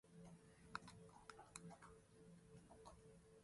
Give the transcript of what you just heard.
岩手県紫波町